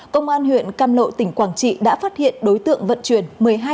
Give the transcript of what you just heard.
công an huyện cam lộ tỉnh quảng trị đã phát hiện đối tượng vận chuyển